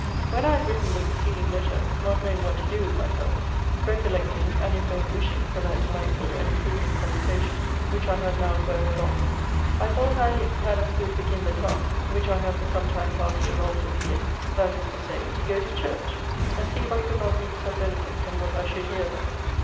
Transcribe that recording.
When I had written the preceding letter, not knowing what to do with myself, recollecting, and in vain wishing for that delightful and improving conversation, which I had now for ever lost; I thought I had as good begin the task, which I had for some time past resolved to begin; that is to say, to go to church; and see if I could not reap some benefit from what I should hear there.